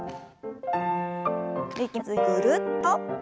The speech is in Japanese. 力まずにぐるっと。